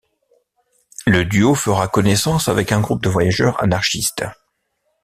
Le duo fera connaissance avec un groupe de voyageurs anarchistes.